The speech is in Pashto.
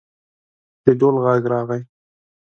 د ډول غږ راغی.